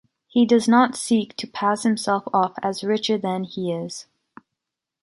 He does not seek to pass himself off as richer than he is.